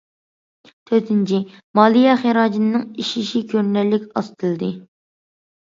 تۆتىنچى، مالىيە خىراجىتىنىڭ ئېشىشى كۆرۈنەرلىك ئاستىلىدى.